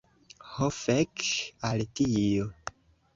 Ho fek al tio!